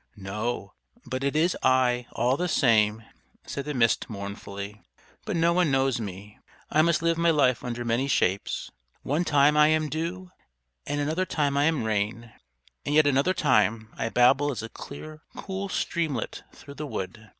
"No; but it is I all the same," said the Mist mournfully. "But no one knows me. I must live my life under many shapes. One time I am dew, and another time I am rain; and yet another time I babble as a clear, cool streamlet through the wood.